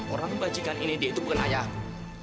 orang kebajikan ini dek itu bukan ayah aku